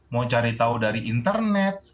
mau cari tahu dari internet